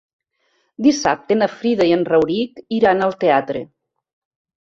Dissabte na Frida i en Rauric iran al teatre.